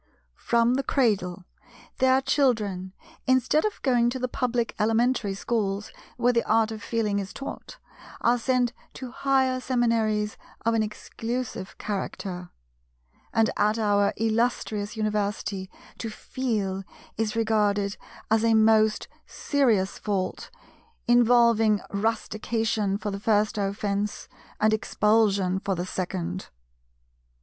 From the cradle their children, instead of going to the Public Elementary schools (where the art of Feeling is taught,) are sent to higher Seminaries of an exclusive character; and at our illustrious University, to "feel" is regarded as a most serious fault, involving Rustication for the first offence, and Expulsion for the second.